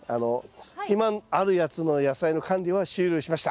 今あるやつの野菜の管理は終了しました。